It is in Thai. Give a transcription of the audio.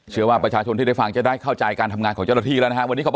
เชื่อว่าประชาชนที่ได้ฟังจะได้เข้าใจการทำงานของเจ้าหน้าที่แล้วนะครับ